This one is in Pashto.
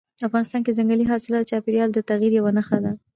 افغانستان کې ځنګلي حاصلات د چاپېریال د تغیر یوه نښه ده.